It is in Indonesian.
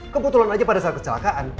kebetulan aja pada saat kecelakaan